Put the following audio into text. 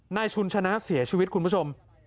ชุนชนะเสียชีวิตคุณผู้ชม